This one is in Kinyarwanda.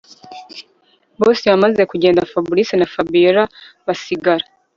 Boss yamaze kugenda Fabric na Fabiora basigara